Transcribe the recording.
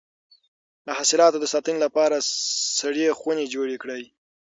د حاصلاتو د ساتنې لپاره سړې خونې جوړې کړئ.